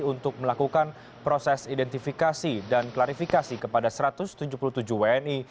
untuk melakukan proses identifikasi dan klarifikasi kepada satu ratus tujuh puluh tujuh wni